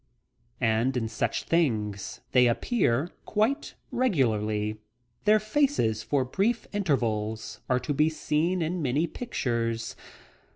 And in such things they appear quite regularly. Their faces, for brief intervals, are to be seen in many pictures.